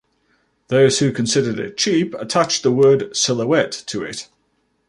Those who considered it cheap attached the word "silhouette" to it.